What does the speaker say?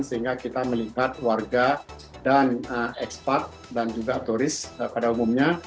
sehingga kita melihat warga dan ekspat dan juga turis pada umumnya